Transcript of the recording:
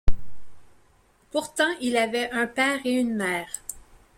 Pourtant il avait un père et une mère.